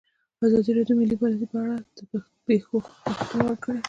ازادي راډیو د مالي پالیسي په اړه د پېښو رپوټونه ورکړي.